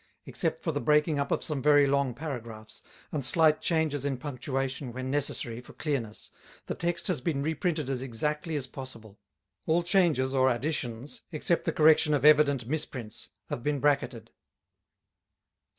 Except for the breaking up of some very long paragraphs, and slight changes in punctuation when necessary for clearness, the text has been reprinted as exactly as possible. All changes or additions, except the correction of evident misprints, have been bracketed.